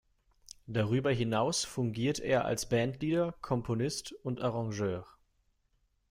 Darüber hinaus fungiert er als Bandleader, Komponist und Arrangeur.